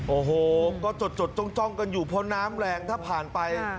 โอ้โหก็จดจ้องกันอยู่เพราะน้ำแรงถ้าผ่านไป